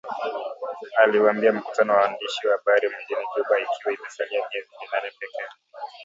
Aliuambia mkutano wa waandishi wa habari mjini Juba ikiwa imesalia miezi minane pekee.